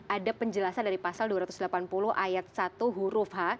ada penjelasan dari pasal dua ratus delapan puluh ayat satu huruf h